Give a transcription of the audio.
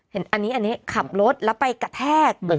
เห็นอันนี้ขับรถแล้วไปกระแทก